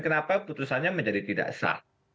kenapa putusannya menjadi tidak sah